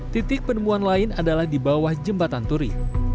titik penemuan lain adalah di bawah jembatan turi